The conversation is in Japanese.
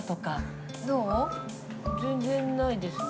全然ないですね。